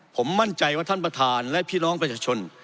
ผมมั่นใจว่าท่านประธานและพี่น้องประชาชน